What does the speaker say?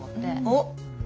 おっ！